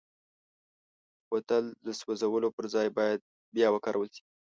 بوتل د سوزولو پر ځای باید بیا وکارول شي.